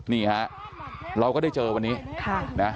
นี่ฮะเราก็ได้เจอวันนี้นะ